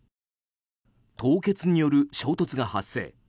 凍結による衝突が発生。